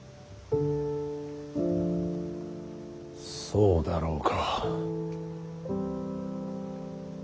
そうだろうか。